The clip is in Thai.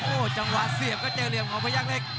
โอ้โหจังหวะเสียบก็เจอเหลี่ยมของพยักษ์เล็ก